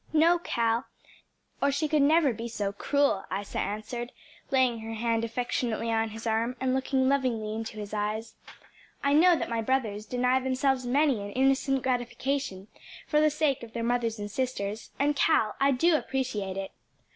"No, Cal, or she could never be so cruel," Isa answered, laying her hand affectionately on his arm and looking lovingly into his eyes. "I know that my brothers deny themselves many an innocent gratification for the sake of their mother and sisters: and Cal, I do appreciate it."